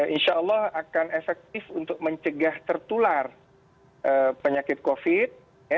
insya allah akan efektif untuk mencegah tertular penyakit covid